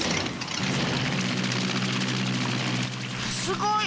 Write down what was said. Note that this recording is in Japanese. すごい！